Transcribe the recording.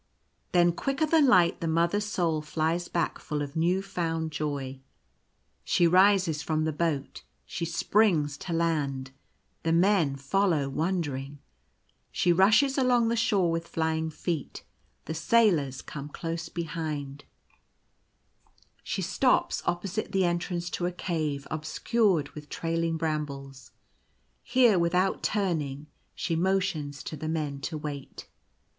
Then quicker than light the Mother's soul flies back full of new found joy. She rises from the boat — she springs to land. The men follow wondering. She rushes along the shore with flying feet; the sailors come close behind. The Mother finds her Son. 99 She stops opposite the entrance to a cave obscured with trailing brambles. Here, without turning, she mo tions to the men to wait.